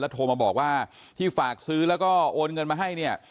โทรมาบอกว่าที่ฝากซื้อแล้วก็โอนเงินมาให้เนี่ย